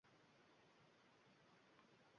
Ishonch berdi